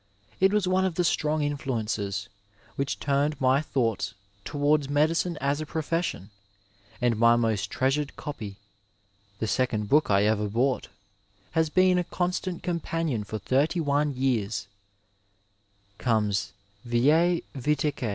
It was one of the strong influences which turned my thoughts towards medi cine as a profession, and my most treasured copy — ^the second book I ever bought — ^has been a constant companion for thirty one years, — comes viaB vitseque.